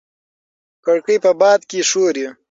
کړکۍ په باد کې ښوري.